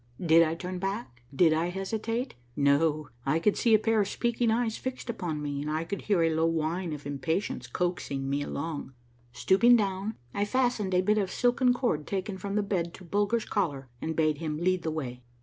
Did I turn back? Did I hesitate? No. I could see a pair of speaking eyes fixed upon me, and could hear a low whine of impatience coaxing me along. Stooping down, I fastened a bit of silken cord taken from the bed to Bulger's collar and bade him lead the way.